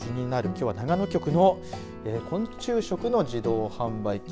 きょうは長野局の昆虫食の自動販売機。